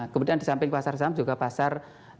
kemudian di samping pasar saham juga pasar